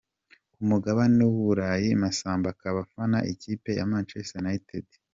Ku mugabane w’u Burayi Massamba akaba afana ikipe ya Manchester United.